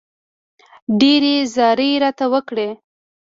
ډېرې زارۍ راته وکړې.